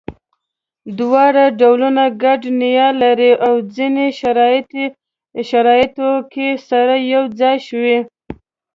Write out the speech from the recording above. دواړه ډولونه ګډه نیا لري او ځینو شرایطو کې سره یو ځای شوي.